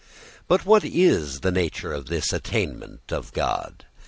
But what is the nature of this attainment of God?